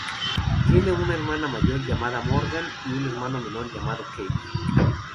Tiene una hermana mayor llamada Morgan, y un hermano menor llamado Cade.